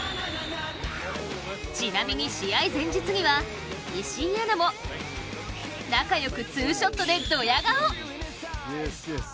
ちなみに試合前日には石井アナも仲よく、ツーショットでどや顔。